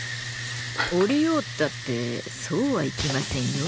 降りようったってそうはいきませんよ。